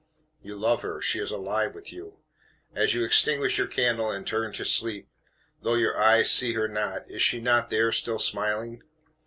You love her. She is alive with you. As you extinguish your candle and turn to sleep, though your eyes see her not, is she not there still smiling?